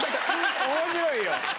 面白いよ。